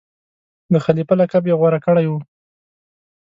د خلیفه لقب یې غوره کړی وو.